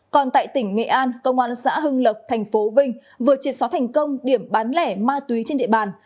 còn tại tỉnh nghệ an công an xã hưng lộc thành phố vinh vừa triệt xóa thành công điểm bán lẻ ma túy trên địa bàn